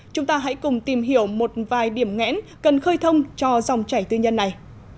chúng ta hãy cùng tìm hiểu một vài điểm ngẽn cần khơi thông cho dòng chảy tư nhân này